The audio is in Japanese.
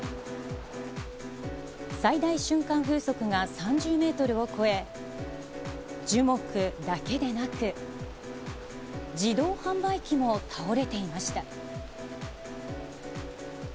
最大瞬間風速が３０メートルを超え、樹木だけでなく、自動販売機も倒れていました。